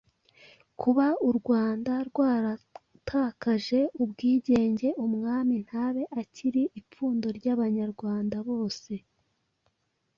kuba u Rwanda rwaratakaje ubwigenge, umwami ntabe akiri ipfundo ry'Abanyarwanda bose.